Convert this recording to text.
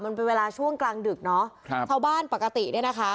มันเป็นเวลาช่วงกลางดึกเนอะครับชาวบ้านปกติเนี่ยนะคะ